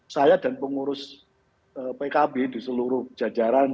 saya dan pengurus pkb di seluruh jajaran